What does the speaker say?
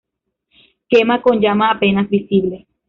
Quema con llama apenas visible.